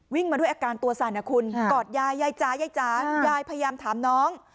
มาด้วยอาการตัวสั่นนะคุณกอดยายยายจ๋ายายจ๋ายายพยายามถามน้อง